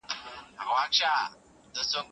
صبر او حوصله د بریا کیلي ده.